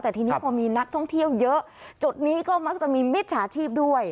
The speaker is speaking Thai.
แต่ทีนี้พอมีนักท่องเที่ยวเยอะจุดนี้ก็มักจะมีมิจฉาชีพด้วย